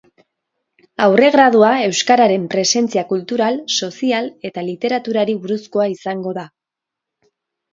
Aurregradua euskararen presentzia kultural, sozial eta literaturari buruzkoa izango da.